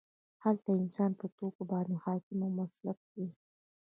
هلته انسان په توکو باندې حاکم او مسلط وي